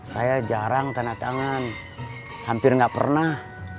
saya jarang tanda tangan hampir nggak pernah